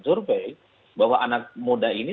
survei bahwa anak muda ini